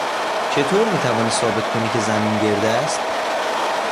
چطور میتوانی ثابت کنی که زمین گرد است؟